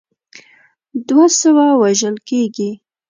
دوه سوه وژل کیږي.